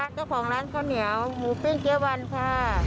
เจ้าของร้านข้าวเหนียวหมูปิ้งเจ๊วันค่ะ